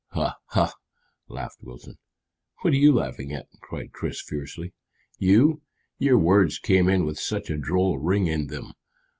"Ha, ha!" laughed Wilton. "What are you laughing at?" cried Chris fiercely. "You your words came in with such a droll ring in them.